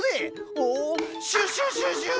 おシュシュシュシューッ！